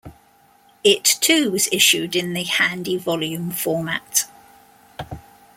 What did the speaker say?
It too was issued in the "Handy Volume" format.